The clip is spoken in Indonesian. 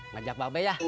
ngajak pak be ya